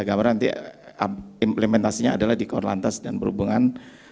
gambaran nanti implementasinya adalah di korlantas dan perhubungan